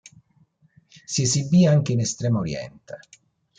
Si esibì anche in Estremo Oriente.